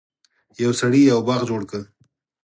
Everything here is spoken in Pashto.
یو سړي یو باغ جوړ کړ.